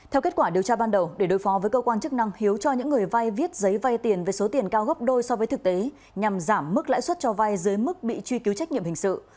theo kết quả điều tra ban đầu để đối phó với cơ quan chức năng hiếu cho những người vai viết giấy vay tiền với số tiền cao gấp đôi so với thực tế nhằm giảm mức lãi suất cho vay dưới mức bị truy cứu trách nhiệm hình sự